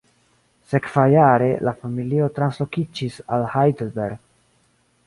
Sekvajare, la familio translokiĝis al Heidelberg.